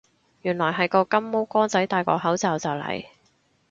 原來係個金毛哥仔戴個口罩就嚟